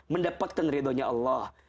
mendapatkan ridhonya allah